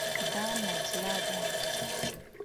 دا نجله ده.